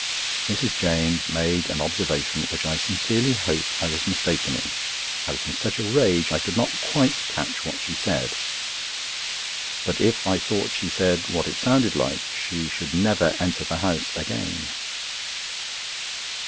Mrs. James made an observation which I sincerely hope I was mistaken in. I was in such a rage I could not quite catch what she said. But if I thought she said what it sounded like, she should never enter the house again.